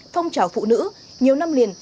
phong trào phụ nữ nhiều năm liền